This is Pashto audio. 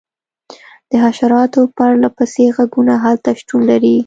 د حشراتو پرله پسې غږونه هلته شتون لري